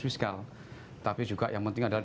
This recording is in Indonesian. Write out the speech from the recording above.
fiskal tapi juga yang penting adalah